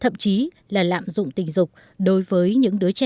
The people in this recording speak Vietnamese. thậm chí là lạm dụng tình dục đối với những đứa trẻ